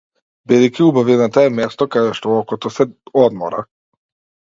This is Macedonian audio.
Бидејќи убавината е место каде што окото се одмора.